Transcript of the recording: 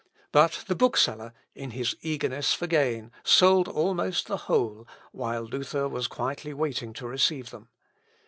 But the bookseller, in his eagerness for gain, sold almost the whole, while Luther was quietly waiting to receive them.